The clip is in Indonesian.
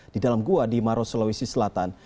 di dalam gua di maros sulawesi selatan